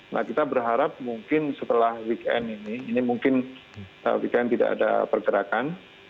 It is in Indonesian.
nah kita berharap mungkin setelah weekend ini ini mungkin weekend tidak ada pergerakan